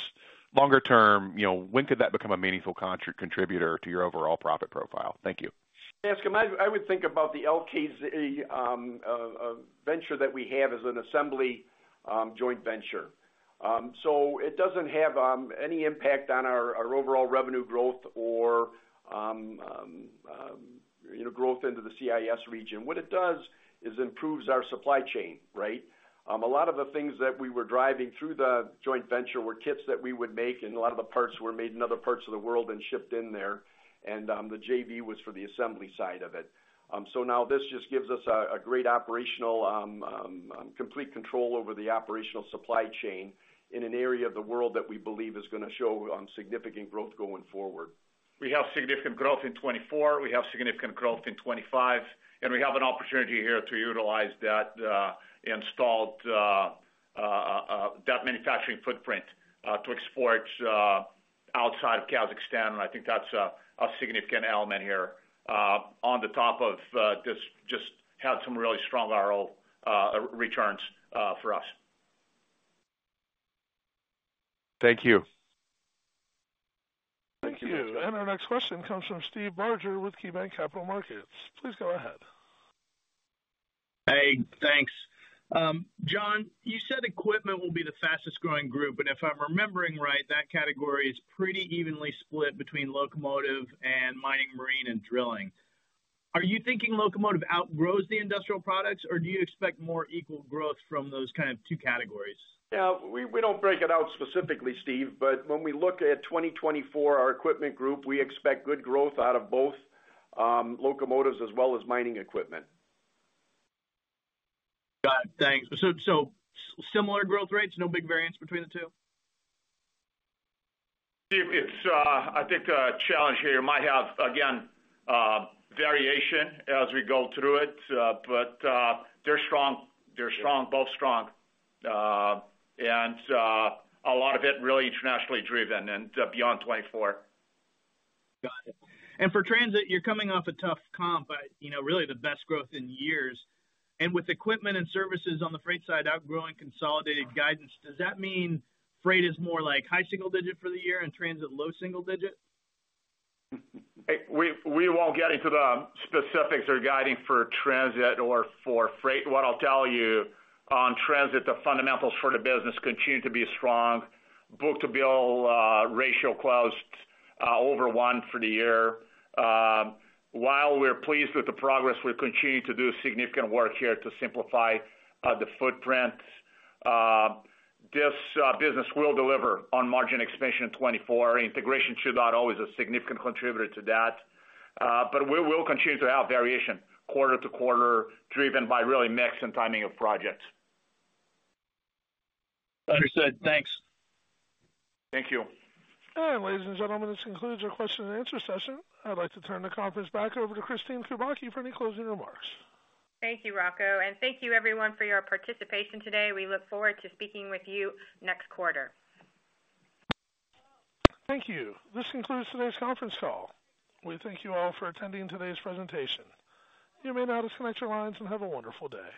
longer term, when could that become a meaningful contributor to your overall profit profile? Thank you. Jason, I would think about the LKZ venture that we have as an assembly joint venture. So it doesn't have any impact on our overall revenue growth or growth into the CIS region. What it does is improves our supply chain, right? A lot of the things that we were driving through the joint venture were kits that we would make. A lot of the parts were made in other parts of the world and shipped in there. And the JV was for the assembly side of it. So now this just gives us a great operational complete control over the operational supply chain in an area of the world that we believe is going to show significant growth going forward. We have significant growth in 2024. We have significant growth in 2025. And we have an opportunity here to utilize that installed manufacturing footprint to export outside of Kazakhstan. And I think that's a significant element here. On top of this, just had some really strong ROIC returns for us. Thank you. Thank you. And our next question comes from Steve Barger with KeyBanc Capital Markets. Please go ahead. Hey. Thanks. John, you said equipment will be the fastest-growing group. And if I'm remembering right, that category is pretty evenly split between locomotive and mining, marine, and drilling. Are you thinking locomotive outgrows the industrial products? Or do you expect more equal growth from those kind of two categories? Yeah. We don't break it out specifically, Steve. But when we look at 2024, our equipment group, we expect good growth out of both locomotives as well as mining equipment. Got it. Thanks. So similar growth rates, no big variance between the two? Steve, I think the challenge here might have, again, variation as we go through it. But they're strong. They're strong. Both strong. And a lot of it really internationally driven and beyond 2024. Got it. For Transit, you're coming off a tough comp, really the best growth in years. With equipment and services on the Freight side outgrowing consolidated guidance, does that mean Freight is more high single-digit for the year and Transit low single-digit? We won't get into the specifics or guiding for Transit or for Freight. What I'll tell you, on Transit, the fundamentals for the business continue to be strong. Book-to-bill ratio closed over 1 for the year. While we're pleased with the progress, we continue to do significant work here to simplify the footprint. This business will deliver on margin expansion in 2024. Integration should not always be a significant contributor to that. But we will continue to have variation quarter to quarter driven by really mix and timing of projects. Understood. Thanks. Thank you. All right, ladies and gentlemen. This concludes our question and answer session. I'd like to turn the conference back over to Kristine Kubacki for any closing remarks. Thank you, Rocco. Thank you, everyone, for your participation today. We look forward to speaking with you next quarter. Thank you. This concludes today's conference call. We thank you all for attending today's presentation. You may now disconnect your lines and have a wonderful day.